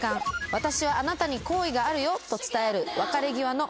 「私はあなたに好意があるよ」と伝える楽しかったね。